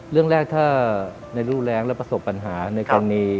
เรื่องแรกถ้าในรูแรงและประสบปัญหาในกรณี